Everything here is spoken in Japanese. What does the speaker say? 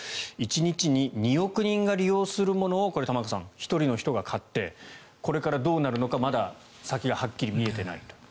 １日に２億人が利用するものを玉川さん１人の人が買ってこれからどうなるのかまだ先がはっきり見えていないと。